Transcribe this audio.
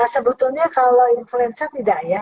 sebetulnya kalau influenza tidak ya